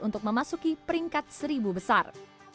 untuk memasuki peringkat seribu besar